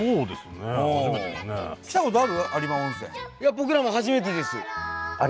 いや僕らも初めてです。